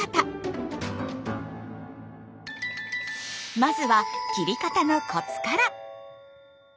まずは切り方のコツから。